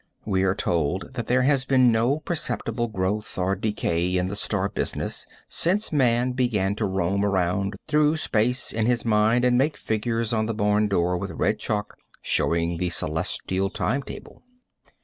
We are told that there has been no perceptible growth or decay in the star business since man began to roam around through space, in his mind, and make figures on the barn door with red chalk showing the celestial time table.